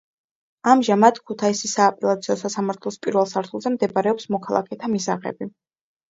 ამჟამად, ქუთაისის სააპელაციო სასამართლოს პირველ სართულზე მდებარეობს მოქალაქეთა მისაღები.